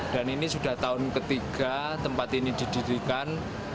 dan ini sudah tahun ketiga tempat ini didirikan